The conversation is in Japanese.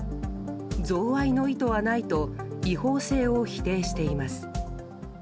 贈賄の意図はないと違法性を否定しています。